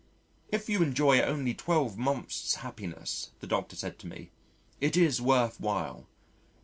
"If you enjoy only twelve months' happiness," the Doctor said to me, "it is worth while."